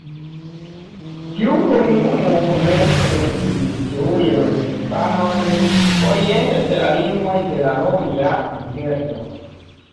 Tiu komunumo komence unuigis ĉiujn kristanojn oriente de la limoj de la Romia Imperio.